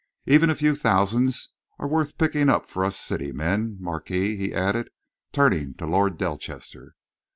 Even a few thousands are worth picking up for us city men, Marquis," he added, turning to Lord Delchester.